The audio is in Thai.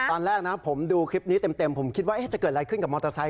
ตอนแรกนะผมดูคลิปนี้เต็มผมคิดว่าจะเกิดอะไรขึ้นกับมอเตอร์ไซค